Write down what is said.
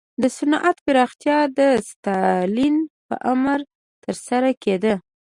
د صنعت پراختیا د ستالین په امر ترسره کېده.